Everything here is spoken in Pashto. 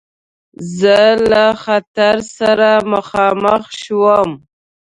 زه له خطر سره مخامخ شوم.